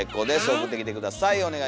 送ってきて下さい。